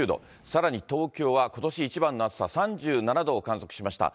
さらに東京はことし一番の暑さ、３７度を観測しました。